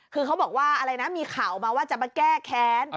คือเขาบอกว่าอะไรนะมีข่าวมาว่าจะมาแก้แค้น